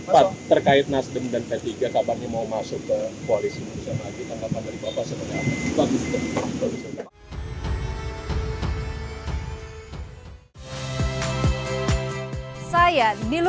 pak terkait nasdem dan p tiga kabarnya mau masuk ke polisi